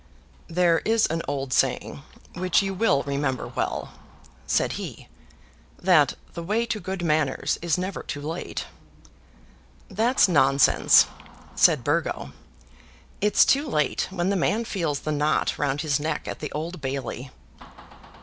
"There is an old saying, which you will remember well," said he, "that the way to good manners is never too late." "That's nonsense," said Burgo. "It's too late when the man feels the knot round his neck at the Old Bailey."